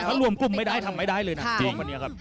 ถ้ารวมกลุ่มไม่ได้ทำไม่ได้เลยท่องฝรกำแนียครับ